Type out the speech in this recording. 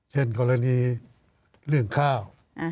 เช่นกรณีเรื่องข้าว